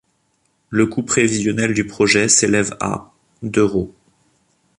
Le coût prévisionnel du projet s'élève à d'euros.